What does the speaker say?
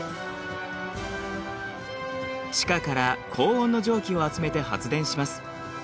地下から高温の蒸気を集めて発電します。